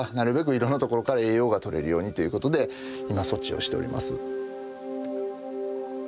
いろんなところから栄養がとれるようにということで今措置をしております。